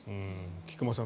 菊間さん